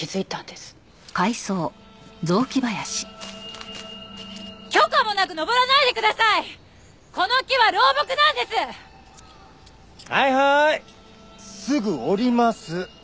すぐ下ります。